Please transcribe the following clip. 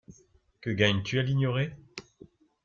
Que gagnes-tu à l’ignorer?